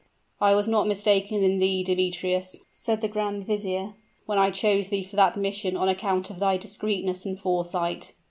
"I was not mistaken in thee, Demetrius," said the grand vizier, "when I chose thee for that mission on account of thy discreetness and foresight."